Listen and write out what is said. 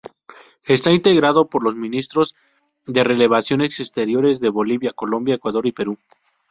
Está integrado por los Ministros de Relaciones Exteriores de Bolivia, Colombia, Ecuador y Perú.